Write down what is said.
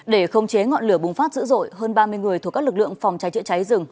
để khống chế ngọn lửa bùng phát dữ dội hơn ba mươi người thuộc các lực lượng phòng cháy chữa cháy rừng